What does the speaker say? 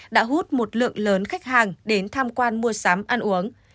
đã hút một lượng lớn khách hàng đến tham quan mua sắm ăn uống